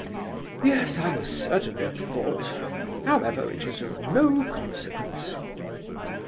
Yes, I certainly was at fault. However, it is of no consequence."